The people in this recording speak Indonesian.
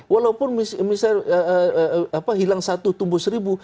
walaupun misalnya hilang satu tumbuh seribu